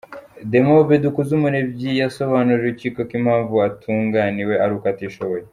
Demob Dukuzumuremyi yasobanuriye urukiko ko impamvu atunganiwe ari uko atishoboye.